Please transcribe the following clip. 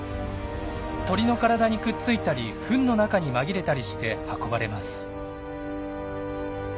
鳥の体にくっついたりフンの中に紛れたりして運ばれます。